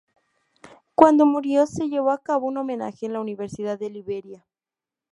Cuando murió, se llevó a cabo un homenaje en la Universidad de Liberia.